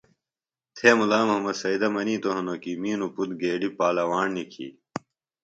تھےۡ مُلا محمد سیدہ منِیتوۡ ہِنوۡ کی می نوۡ پُتر گیڈیۡ پالواݨ نِکھی